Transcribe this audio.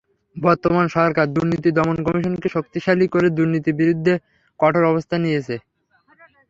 বর্তমান সরকার দুর্নীতি দমন কমিশনকে শক্তিশালী করে দুর্নীতির বিরুদ্ধে কঠোর অবস্থান নিয়েছে।